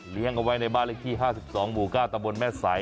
เลี้ยงเอาไว้ในบ้านเรียกที่๕๒๙ตะบนแม่ไส